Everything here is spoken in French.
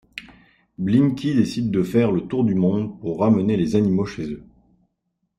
Blinky décide de faire le tour du monde pour ramener les animaux chez eux.